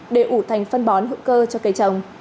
để ủ thành phân bón hữu cơ cho cây trồng